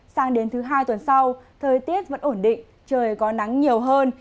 sang đến thứ hai tuần sau thời tiết vẫn ổn định trời có nắng nhiều hơn